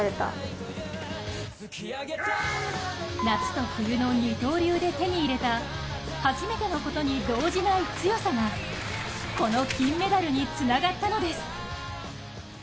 夏と冬の二刀流で手に入れた初めてのことに動じない強さがこの金メダルにつながったのです。